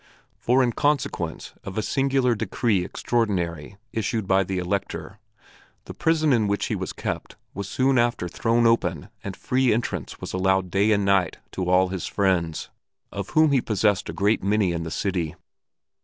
For in consequence of a singular decree extraordinary issued by the Elector, the prison in which he was kept was soon after thrown open and free entrance was allowed day and night to all his friends, of whom he possessed a great many in the city.